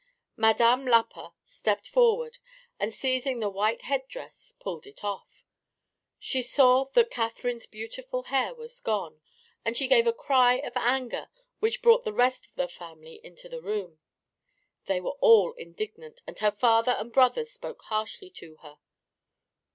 Madame Lapa stepped forward and seizing the white headdress pulled it off. She saw that Catherine's beautiful hair was gone, and she gave a cry of anger which brought the rest of the family into the room. They were all indignant, and her father and brothers spoke harshly to her.